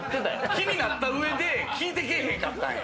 気になった上で聞いてへんかったんや。